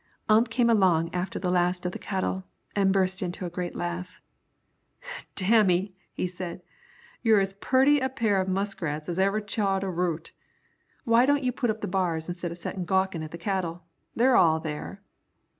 Ump came along after the last of the cattle and burst into a great laugh. "Damme," he said, "you're as purty a pair of muskrats as ever chawed a root. Why don't you put up the bars instead of settin' gawkin' at the cattle! They're all there."